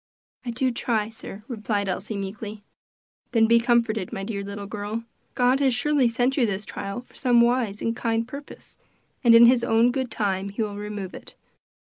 "I do try, sir," replied Elsie meekly. "Then be comforted, my dear little girl. God has surely sent you this trial for some wise and kind purpose, and in his own good time he will remove it.